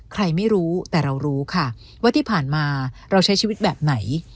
ใครไม่รู้แต่เรารู้ค่ะว่าที่ผ่านมาเราใช้ชีวิตแบบไหน